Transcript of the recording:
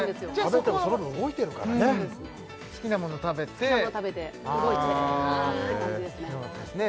食べてもその分動いてるからね好きなもの食べて好きなもの食べて動いてよかったですね